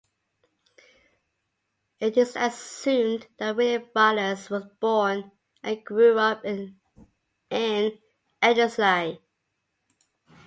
It is assumed that William Wallace was born and grew up in Elderslie.